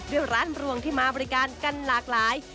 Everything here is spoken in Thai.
ด้วยร้านรวงที่มาบริการกันหลากหลาย